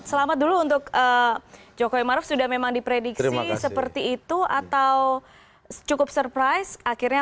selamat dulu untuk jokowi maruf sudah memang diprediksi seperti itu atau cukup surprise akhirnya